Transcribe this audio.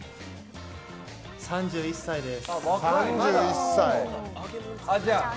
３１歳です。